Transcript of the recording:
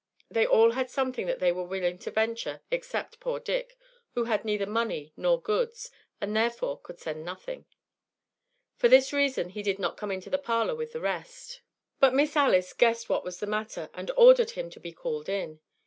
They all had something that they were willing to venture except poor Dick, who had neither money nor goods, and therefore could send nothing. For this reason he did not come into the parlor with the rest; but Miss Alice guessed what was the matter, and ordered him to be called in.